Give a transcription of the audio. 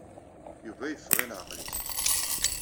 Yuba yeffeɣ i leɛqel-nnes.